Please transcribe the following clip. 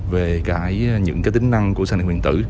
về những cái tính năng của sme